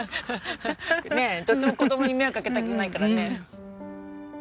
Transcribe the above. ねえどっちも子供に迷惑かけたくないからね。